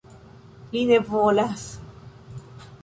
Li ne volas...